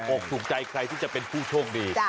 อกถูกใจใครที่จะเป็นผู้โชคดี